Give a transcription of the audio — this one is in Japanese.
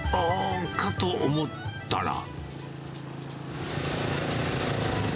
かと思ったら。